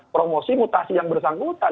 promosi mutasi yang bersangkutan